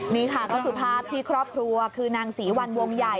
นี่ค่ะก็คือภาพที่ครอบครัวคือนางศรีวัลวงใหญ่